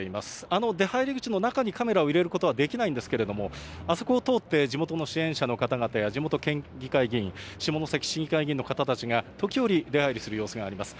あの出はいり口の中にカメラを入れることはできないんですけれども、あそこを通って地元の支援者の方々や、地元県議会議員、下関市議会議員の方たちが時折、出はいりする様子があります。